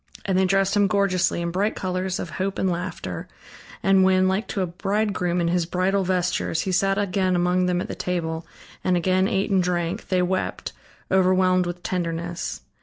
And they dressed him gorgeously, in bright colors of hope and laughter, and when, like to a bridegroom in his bridal vestures, he sat again among them at the table, and again ate and drank, they wept, overwhelmed with tenderness.